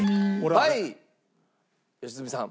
はい良純さん。